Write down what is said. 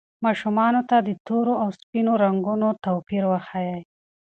ماشومانو ته د تورو او سپینو رنګونو توپیر وښایئ.